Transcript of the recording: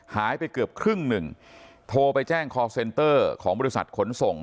หายไปเกือบครึ่งหนึ่งโทรไปแจ้งคอร์เซนเตอร์ของบริษัทขนส่ง